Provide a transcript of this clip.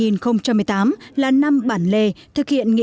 năm hai nghìn một mươi tám là năm bản lề thực hiện nghị